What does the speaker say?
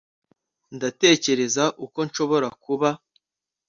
Ndatekereza uko nshobora kuba